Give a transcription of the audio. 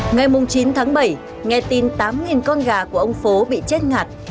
ngày chín tháng bảy nghe tin tám con gà của ông phố bị chết ngạt